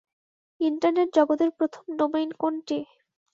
Internet জগতের প্রথম domain কোনটি?